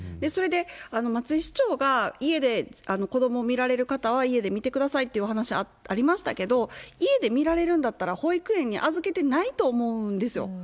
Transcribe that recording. それで松井市長が家で子どもを見られる方は、家で見てくださいっていうお話ありましたけれども、家で見られるんだったら、保育園に預けてないと思うんですよ。